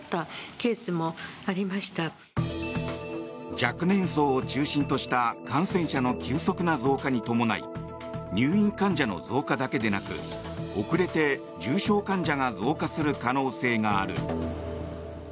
若年層を中心とした感染者の急速な増加に伴い入院患者の増加だけでなく遅れて重症患者が増加する可能性がある。